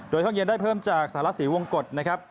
โดยห้องเย็นได้เพิ่มจากสารสีวงกฎนะครับ